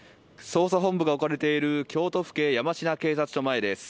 捜査本部が置かれている京都府警山科警察署前です。